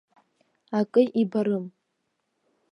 Акы ибарым.